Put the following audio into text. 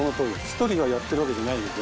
１人がやってるわけじゃないので。